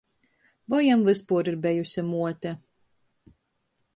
Voi jam vyspuor ir bejuse muote.